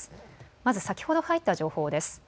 まず先ほど入った情報です。